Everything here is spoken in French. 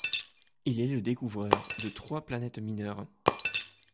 Il est le découvreur de trois planètes mineures.